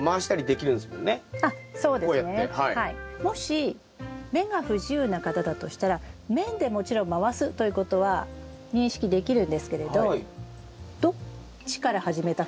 もし目が不自由な方だとしたら面でもちろん回すということは認識できるんですけれどどっちから始めたっけとか途中で分かんなくなりますよね。